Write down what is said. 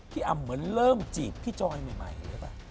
พี่อำเหมือนเริ่มจีบพี่จ้อยใหม่หรือเปล่า